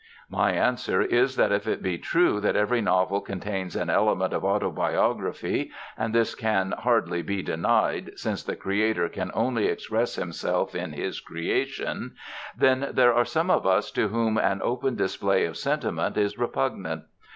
My answer is that if it be true that every novel contains an element of autobiography and this can hardly be denied, since the creator can only express himself in his creation then there are some of us to whom an open display of sentiment is repugnant.